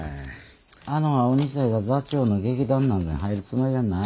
あの青二才が座長の劇団なんぞに入るつもりはない。